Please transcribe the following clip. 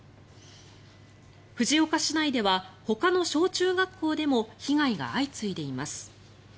藤岡市内ではほかの小中学校でも被害が相次いでいます。